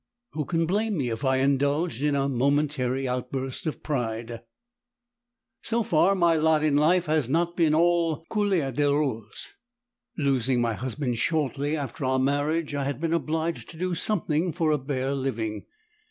Who can blame me if I indulged in a momentary outburst of pride? So far my lot in life had not been all couleur de rose. Losing my husband shortly after our marriage, I had been obliged to do something for a bare living.